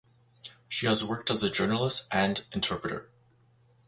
She has worked as a journalist and interpreter.